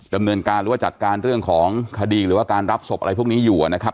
ดำเนินการหรือว่าจัดการเรื่องของคดีหรือว่าการรับศพอะไรพวกนี้อยู่นะครับ